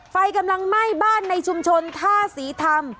ไฟกำลังไหม้บ้านในชุมชนท่าศรีธรรม